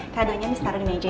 kadonya miss taruh di meja ya